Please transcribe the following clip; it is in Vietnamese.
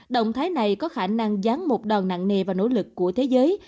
động thái này có khả năng dán một đòn nặng nề vào nỗ lực của thế giới